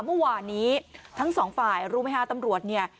เมื่อวานนี้ทั้งสองฝ่ายรู้ไหมฮะตำรวจเนี่ย